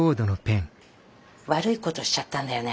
悪いことしちゃったんだよね